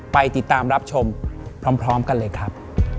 ไปติดตามรับชมพร้อมกันเลยครับ